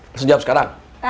langsung jawab sekarang